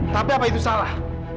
tapi apa itu salah